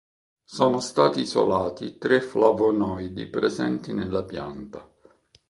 Sono stati isolati tre flavonoidi presenti nella pianta.